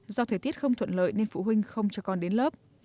do thời tiết không thuận lợi nên phụ huynh không cho con đến lớp